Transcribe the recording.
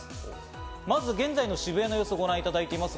まず現在の渋谷の様子をご覧いただいています。